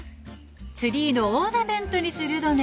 ツリーのオーナメントにするのね。